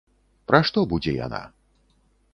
Пра што будзе яна?